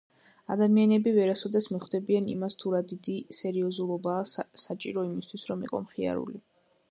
ადამიანები ვერასოდეს მიხვდებიან იმას თუ რა დიდი სერიოზულობაა სჭირო იმისთვის რო იყო მხიარული